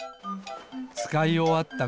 つかいおわった